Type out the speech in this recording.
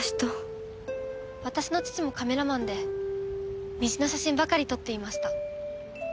私の父もカメラマンで虹の写真ばかり撮っていました。